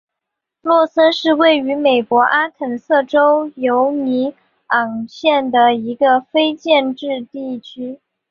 洛森是位于美国阿肯色州犹尼昂县的一个非建制地区。